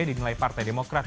di nilai partai demokrat